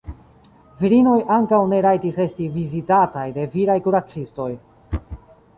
Virinoj ankaŭ ne rajtis esti vizitataj de viraj kuracistoj.